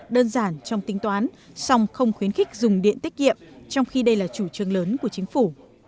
đơn giản trong tính toán xong không khuyến khích dùng điện tiết kiệm trong khi đây là chủ trương lớn của chính phủ